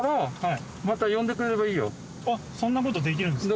あっそんなことできるんですか？